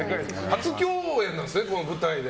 初共演なんですね、この舞台で。